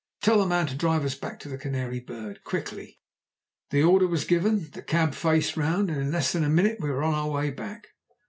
"Tell the man to drive us back to the Canary Bird quickly." The order was given, the cab faced round, and in less than a minute we were on our way back.